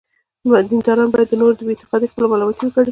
دینداران باید د نورو بې اعتقادي خپله ملامتي وګڼي.